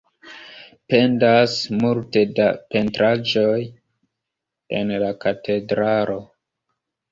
Pendas multe da pentraĵoj en la katedralo.